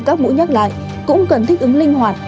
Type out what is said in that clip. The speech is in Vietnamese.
các mũi nhắc lại cũng cần thích ứng linh hoạt